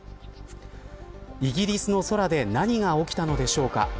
イギリスの空で何が起きたのでしょうか。